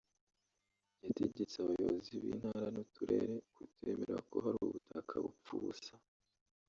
yategetse abayobozi b’intara n’uturere kutemera ko hari ubutaka bupfa ubusa